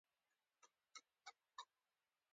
بل سکلیټ د نهه کلنې یا لس کلنې نجلۍ و.